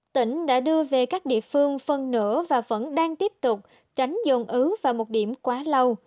tỉnh đã đưa về các địa phương phần nửa và vẫn đang tiếp tục tránh dồn ứ và một điểm quá lâu